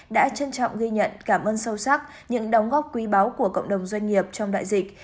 đã trân trọng ghi nhận cảm ơn sâu sắc những đóng góp quý báo của cộng đồng doanh nghiệp trong đại dịch